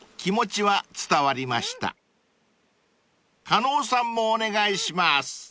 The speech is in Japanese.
［加納さんもお願いします］